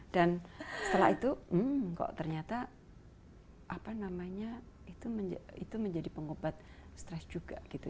dan setelah itu kok ternyata apa namanya itu menjadi pengobat stres juga gitu